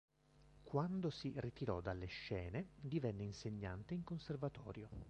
Quando si ritirò dalle scene divenne insegnante in Conservatorio.